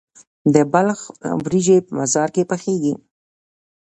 د بلخ وریجې په مزار کې پخیږي.